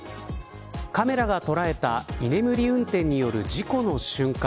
カメラが捉えた居眠り運転による事故の瞬間。